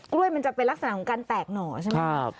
มันจะเป็นลักษณะของการแตกหน่อใช่ไหม